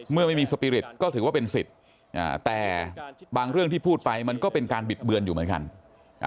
เมื่อไม่มีสปีริตก็ถือว่าเป็นสิทธิ์แต่บางเรื่องที่พูดไปมันก็เป็นการบิดเบือนอยู่เหมือนกัน